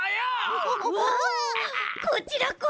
うわこちらこそ！